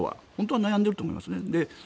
本当は悩んでいると思いますね。